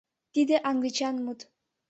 — Тиде англичан мут.